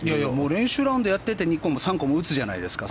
練習ラウンドやってて２個も３個も打つじゃないですか。